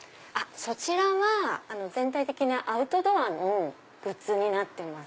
そちらは全体的にアウトドアのグッズになってます。